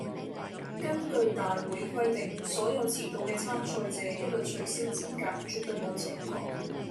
根據大會規定，所有遲到嘅參賽者，一律取消資格，絕對冇情講